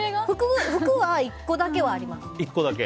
服は１個だけはあります。